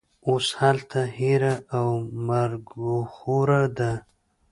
اوس هلته هېره او مرګوخوره ده